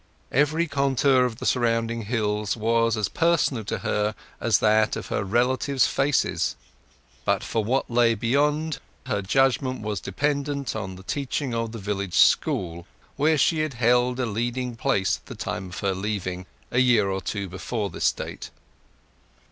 Every contour of the surrounding hills was as personal to her as that of her relatives' faces; but for what lay beyond, her judgment was dependent on the teaching of the village school, where she had held a leading place at the time of her leaving, a year or two before this date.